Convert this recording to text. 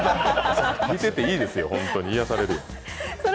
見てていいですよ、癒やされる。